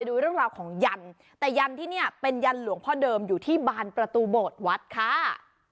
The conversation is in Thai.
ดูเรื่องราวของยันแต่ยันที่เนี่ยเป็นยันหลวงพ่อเดิมอยู่ที่บานประตูโบสถ์วัดค่ะ